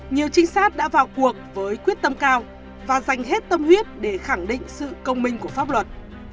nhiều trinh sát đã vào cuộc với quyết tâm cao và dành hết tâm huyết để khẳng định sự công minh của pháp luật